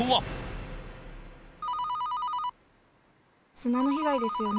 砂の被害ですよね。